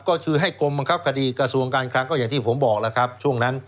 ก็คือให้กรมบังคับคดีกระทรวงการคลังก็อย่างที่ผมบอกแล้วครับช่วงนั้น